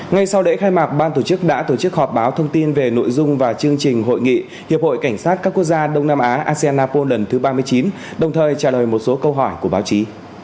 ngay sau lễ khai mạc ban tổ chức đã tổ chức họp báo thông tin về nội dung và chương trình hội nghị hiệp hội cảnh sát các quốc gia đông nam á asean apol lần thứ ba mươi chín đồng thời trả lời một số câu hỏi của báo chí